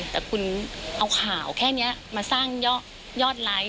แต่คุณเอาข่าวแค่นี้มาสร้างยอดไลค์